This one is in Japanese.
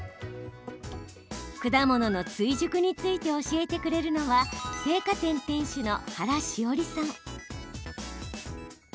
果物の追熟について教えてくれるのは青果店店主の原詩織さん。